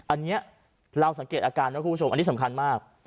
อันนี้เราสังเกตอาการนะคุณผู้ชมอันนี้สำคัญมาก